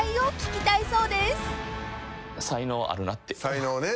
才能ね。